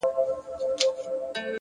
پوهه د فرصتونو شمېر زیاتوي,